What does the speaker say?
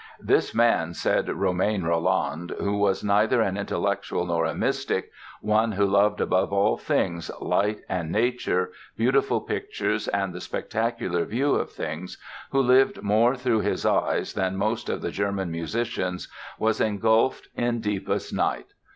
"This man", said Romain Rolland, "who was neither an intellectual nor a mystic, one who loved above all things light and nature, beautiful pictures and the spectacular view of things, who lived more through his eyes than most of the German musicians, was engulfed in deepest night.